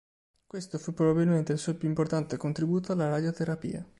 Questo fu probabilmente il suo più importante contributo alla radioterapia.